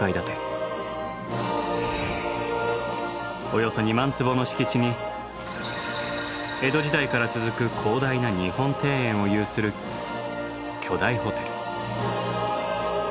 およそ２万坪の敷地に江戸時代から続く広大な日本庭園を有する巨大ホテル。